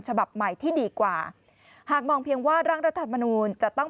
ฉบับใหม่ที่ดีกว่าหากมองเพียงว่าร่างรัฐธรรมนูลจะต้อง